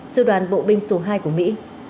sư đoàn bộ binh số hai của mỹ